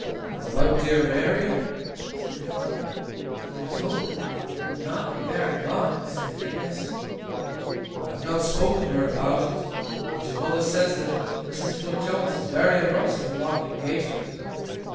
"And about dear Mary?" said the father. "I hope it may not be very long," said Phineas. "I have not spoken to her about it, but your mother says that Mrs. Flood Jones is very averse to a long engagement."